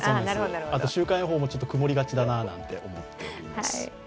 週間予報も曇りがちだなあなんて思っています。